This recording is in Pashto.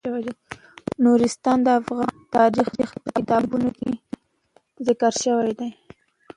نورستان د افغان تاریخ په ټولو کتابونو کې ذکر شوی دی.